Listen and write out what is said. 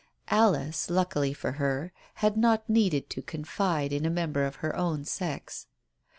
Alice, luckily for her, had not needed to confide in a member of her own sex.